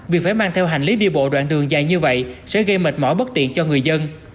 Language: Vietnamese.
vì phải mang theo hành lý đi bộ đoạn đường dài như vậy sẽ gây mệt mỏi bất tiện cho người dân